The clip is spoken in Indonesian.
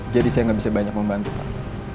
jadi saya gak bisa banyak membantu pak